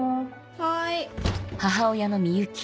はい。